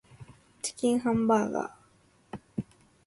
チキンハンバーガー